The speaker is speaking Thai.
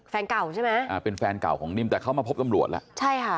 แฟนเก่าใช่ไหมอ่าเป็นแฟนเก่าของนิ่มแต่เขามาพบตำรวจแล้วใช่ค่ะ